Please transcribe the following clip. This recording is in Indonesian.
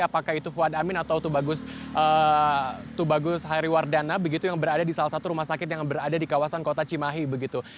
apakah itu fuad amin atau tubagus hairiwardana begitu yang berada di salah satu rumah sakit yang berada di kawasan kota cimahi begitu